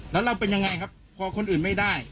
แล้วเราเป็นยังไงครับพอคนอื่นไม่ได้